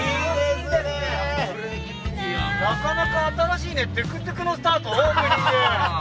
なかなか新しいねトゥクトゥクのスタートオープニング。